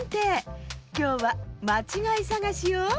きょうはまちがいさがしよ。